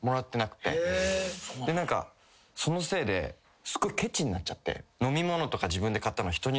そのせいですごいケチになっちゃって。